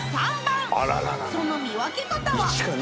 その見分け方は？